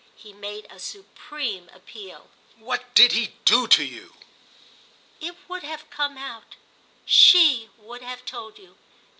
He made a supreme appeal. "What did he do to you?" "It would have come out—_she _would have told you.